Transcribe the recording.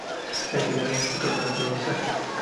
La final se disputó en Novi Sad.